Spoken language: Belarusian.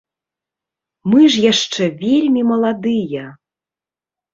Мы ж яшчэ вельмі маладыя!